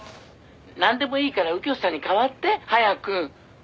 「なんでもいいから右京さんに代わって。早く」